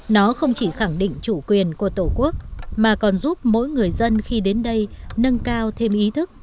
nó không chỉ khẳng định chủ quyền của tổ quốc mà còn giúp mỗi người dân khi đến đây nâng cao thêm ý thức